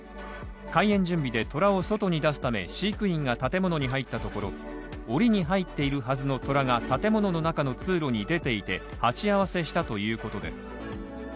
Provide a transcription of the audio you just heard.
開園準備でトラを外に出すため飼育員が建物に入ったところ、檻に入っているはずのトラが建物の中の通路に出ていて、鉢合わせしたということです。